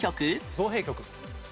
造幣局。